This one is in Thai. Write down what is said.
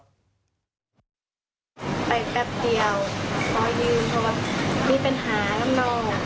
ไปแป๊บเดียวขอยืมเพราะว่ามีปัญหาด้านนอก